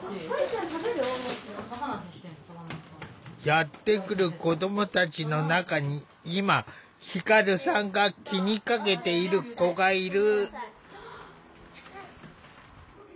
やって来る子どもたちの中に今輝さんが気にかけている子がいる。